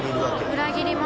裏切り者！